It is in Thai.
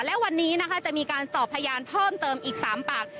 และวันนี้นะคะจะมีการสอบพยานเพิ่มเติมอีก๓ปาก